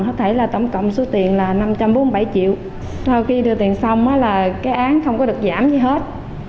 có thể là tổng cộng số tiền là năm trăm bốn mươi bảy triệu sau khi đưa tiền xong là cái án không có được giảm gì hết